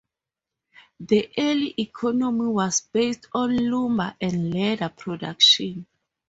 The early economy was based on lumber and leather production.